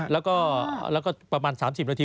แล้วก็ประมาณ๓๐นาที